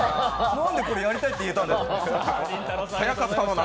なんでこれ、やりたいって言えたんだろう。